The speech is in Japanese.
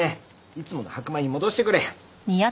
いつもの白米に戻してくれ。